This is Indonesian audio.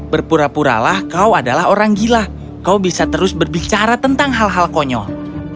berpura puralah kau adalah orang gila kau bisa terus berbicara tentang hal hal konyol